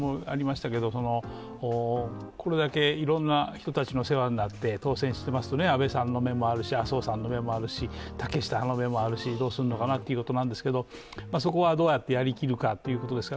これだけいろいろな人たちの世話になって当選していますと、安倍さんの目もあるし、麻生さんの目もあるし竹下派の目もあるしどうするのかなということなんですけどそこはどうやってやりきるかということですから。